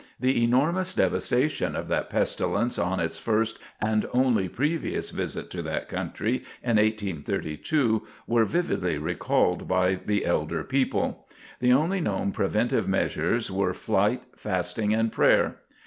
The enormous devastations of that pestilence on its first and only previous visit to that country, in 1832, were vividly recalled by the elder people. The only known preventive measures were "flight, fasting, and prayer."